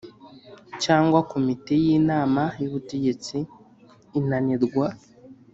Cyangwa komite y inama y ubutegetsi inanirwa